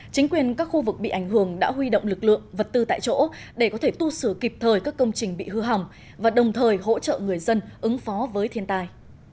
chính quyền các khu vực bị ảnh hưởng đã huy động lực lượng vật tư tại chỗ để có thể tu sửa kịp thời các công trình bị hư hỏng và đồng thời hỗ trợ người dân ứng phó với thiên tai